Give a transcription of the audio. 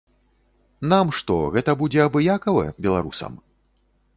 Нам што, гэта будзе абыякава, беларусам?